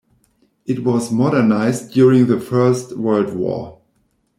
It was modernized during the First World War.